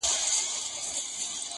که مي دوی نه وای وژلي دوی وژلم؛